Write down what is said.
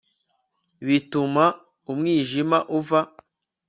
bituma umwijima uva